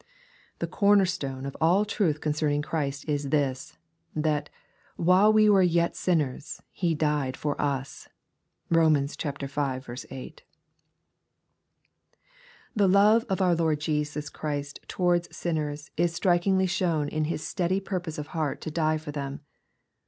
The corner stone of all truth concerning Christ is this, — that " While we were yet sinners He died for us." (Rom. v. 8.) The love of our Lord Jesus Christ towards sinners is strikingly shown in His steady purpose of heart to die for them.